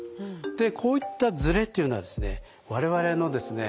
でこういったズレというのはですね我々のですね